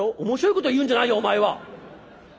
「面白いこと言うんじゃないよお前は。